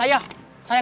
ah riyah brian